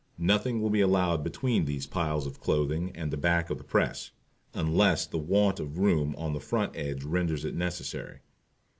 Nothing will be allowed between these piles of clothing and the back of the press, unless the want of room on the front edge renders it necessary.